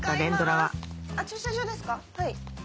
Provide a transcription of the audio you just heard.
はい。